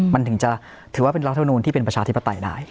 มันถึงจะถือว่าเป็นรัฐมนูลที่เป็นประชาธิปไตยได้